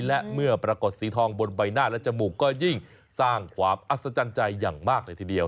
และเมื่อปรากฏสีทองบนใบหน้าและจมูกก็ยิ่งสร้างความอัศจรรย์ใจอย่างมากเลยทีเดียว